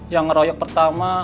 yang ngeroyok pertama